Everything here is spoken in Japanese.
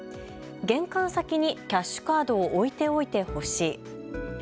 玄関先にキャッシュカードを置いておいてほしい。